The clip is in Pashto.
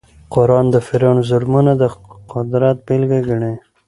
قران د فرعون ظلمونه د قدرت بېلګه ګڼي.